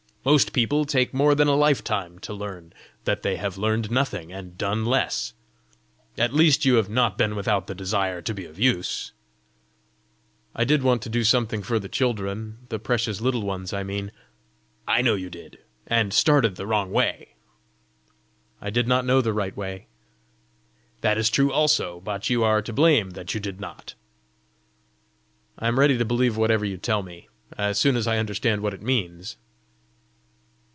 Most people take more than a lifetime to learn that they have learned nothing, and done less! At least you have not been without the desire to be of use!" "I did want to do something for the children the precious Little Ones, I mean." "I know you did and started the wrong way!" "I did not know the right way." "That is true also but you are to blame that you did not." "I am ready to believe whatever you tell me as soon as I understand what it means."